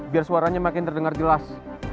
biar suaranya makin terdengar jelas